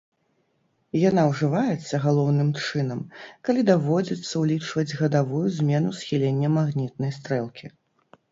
Яна ўжываецца галоўным чынам, калі даводзіцца ўлічваць гадавую змену схілення магнітнай стрэлкі.